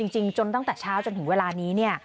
จริงจนตั้งแต่เช้าจนถึงเวลานี้เนี่ย